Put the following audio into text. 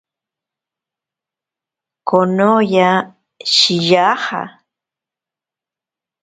Konoya shiyaja.